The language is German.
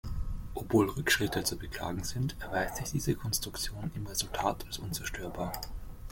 Obwohl Rückschritte zu beklagen sind, erweist sich diese Konstruktion im Resultat als unzerstörbar.